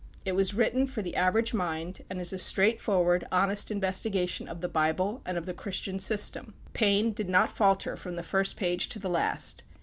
It was written for the average mind, and is a straight forward, honest investigation of the Bible, and of the Christian system. Paine did not falter from the first page to the last.